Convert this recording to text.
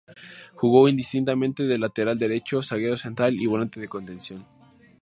Jugó, indistintamente, de lateral derecho, zaguero central y volante de contención.